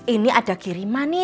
ini ada kiriman nih